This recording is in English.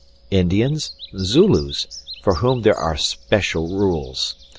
Indians, Zulus, for whom there are special rules.